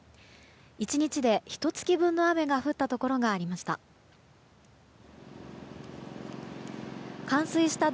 １日でひと月分の雨が降ったところがありました。